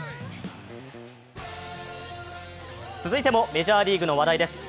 続いてもメジャーリーグの話題です。